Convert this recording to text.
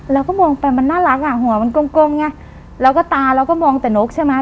แล้วก็มองไปมันน่ารักอ่ะหัวมันกลมไงแล้วก็ตาเราก็มองแต่นกใช่ไหม